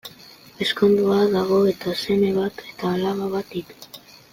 Ezkondua dago eta seme bat eta alaba bat ditu.